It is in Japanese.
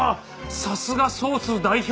さすがソース代表。